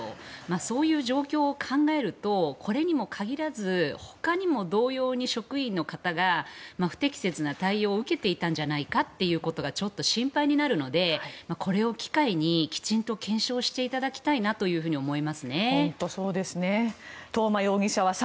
そういう状況を考えるとこれにも限らずほかにも同様に職員の方が不適切な対応を受けていたんじゃないかということがちょっと心配になるのでこれを機会に今を生きるということは胃の負担を抱えて生きるということかもしれない。